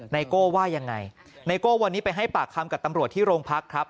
โก้ว่ายังไงไนโก้วันนี้ไปให้ปากคำกับตำรวจที่โรงพักครับ